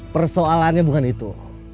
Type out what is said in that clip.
persoalannya bukan itu